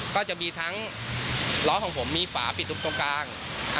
ก็จะมีทั้งล้อของผมมีฝาปิดตรงกลาง